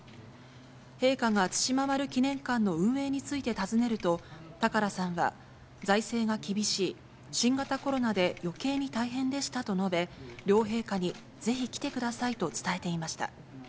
陛下が対馬丸記念館の運営について尋ねると、高良さんは、財政が厳しい、新型コロナでよけいに大変でしたと述べ、両陛下にぜひ来てくださいと伝えていました。